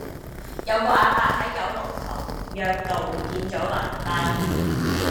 有個亞伯喺九龍塘約道唔見左個銀包